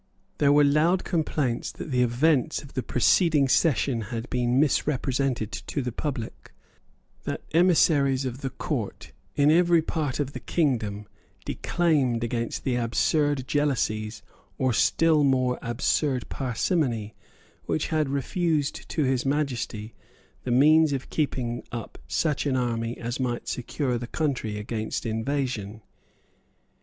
There were loud complaints that the events of the preceding session had been misrepresented to the public, that emissaries of the Court, in every part of the kingdom, declaimed against the absurd jealousies or still more absurd parsimony which had refused to His Majesty the means of keeping up such an army as might secure the country against invasion.